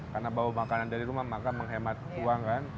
karena bawa makanan dari rumah maka menghemat uang kan